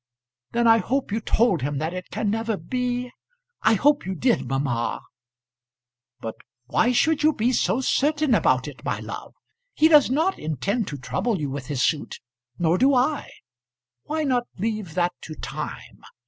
"Then I hope you told him that it can never be? I hope you did, mamma!" "But why should you be so certain about it, my love? He does not intend to trouble you with his suit, nor do I. Why not leave that to time?